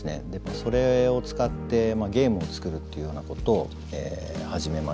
それを使ってゲームを作るっていうようなことを始めました。